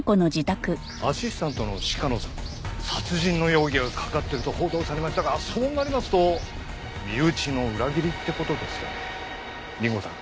アシスタントの鹿野さん殺人の容疑がかかってると報道されましたがそうなりますと身内の裏切りって事ですが凛子さん